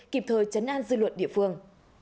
kịp thời chấn an dư luận địa phương